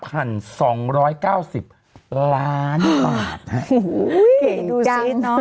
เก่งกันเนอะ